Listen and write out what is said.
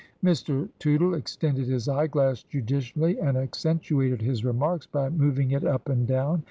Mr. Tootle extended his eye glass judicially and ac centuated his remarks by moving it up and down.